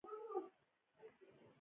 د پکتیکا په زیروک کې د څه شي نښې دي؟